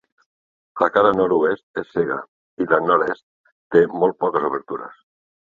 La cara nord-oest és cega i la nord-est té molt poques obertures.